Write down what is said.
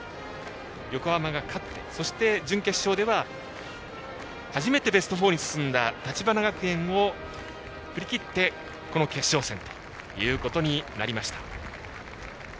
横浜が勝って、準決勝では初めてベスト４に進んだ立花学園を振り切って決勝戦ということになりました。